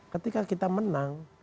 ketika kita menang